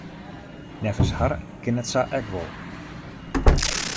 Neffens har kin it sa ek wol.